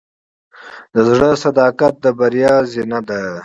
د زړۀ صداقت د بریا زینه ده.